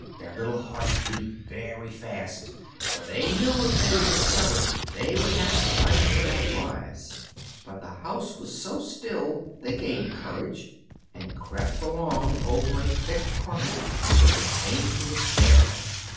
Their little hearts beat very fast, for they knew if they were discovered they would have to run for their lives; but the house was so still they gained courage, and crept along over a thick carpet until they came to a stairway.